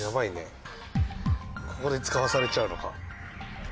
ここで使わされちゃうのか。